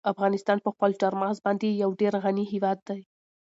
افغانستان په خپلو چار مغز باندې یو ډېر غني هېواد دی.